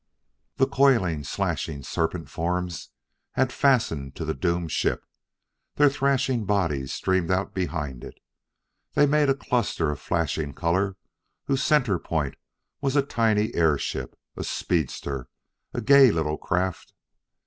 The coiling, slashing serpent forms had fastened to the doomed ship. Their thrashing bodies streamed out behind it. They made a cluster of flashing color whose center point was a tiny airship, a speedster, a gay little craft.